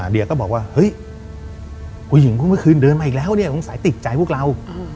เดียก็บอกว่าเฮ้ยผู้หญิงเมื่อคืนเดินมาอีกแล้วเนี่ยสงสัยติดใจพวกเรา